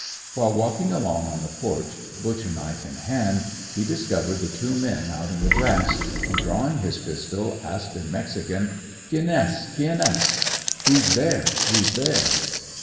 While walking along on the porch, butcher knife in hand, he discovered the two men out in the grass, and, drawing his pistol, asked in mexican: Quien es? Quien es? (Who's there? Who's there?)